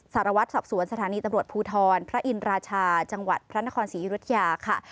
สารวัตรสอบสวนสถานีตำรวจภูทรพระอินราชาจังหวัดพระนครศรีอยุธยาค่ะ